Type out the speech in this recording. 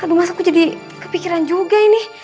aduh mas aku jadi kepikiran juga ini